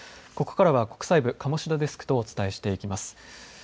ここからは国際部鴨志田デスクとお伝えしていきます。